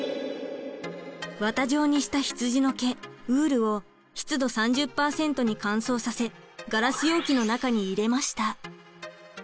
綿状にした羊の毛ウールを湿度３０％に乾燥させガラス容器の中に入れました。